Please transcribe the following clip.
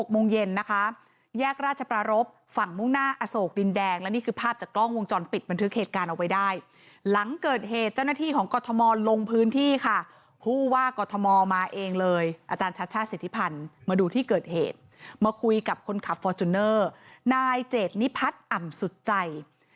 แยกราชประรบฝั่งมุ่งหน้าอโศกดินแดงและนี่คือภาพจากกล้องวงจรปิดบันทึกเหตุการณ์เอาไว้ได้หลังเกิดเหตุเจ้าหน้าที่ของกรทมลงพื้นที่ค่ะผู้ว่ากอทมมาเองเลยอาจารย์ชัชชาติสิทธิพันธ์มาดูที่เกิดเหตุมาคุยกับคนขับฟอร์จูเนอร์นายเจดนิพัฒน์อ่ำสุดใจ